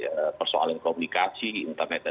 jadi persoalan komunikasi internet dan juga teknologi